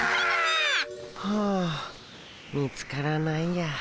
はあ見つからないや。